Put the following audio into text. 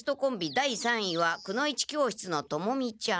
第三位はくの一教室のトモミちゃん」。